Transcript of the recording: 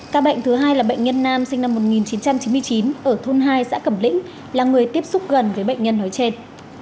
ca bệnh thứ hai là bệnh nhân nam sinh năm một nghìn chín trăm chín mươi chín ở thôn hai xã cẩm lĩnh là người tiếp xúc gần với bệnh nhân nói trên